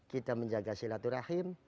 kita menjaga silaturahim